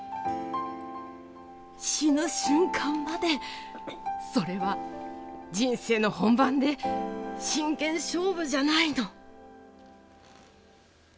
死ぬ瞬間までそれは人生の本番で真剣勝負じゃないの。